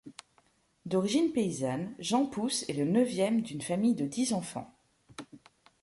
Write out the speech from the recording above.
D’origine paysanne, Jean Pous est le neuvième d’une famille de dix enfants.